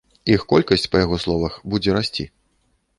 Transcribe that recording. Іх колькасць, па яго словах, будзе расці.